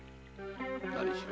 何しろ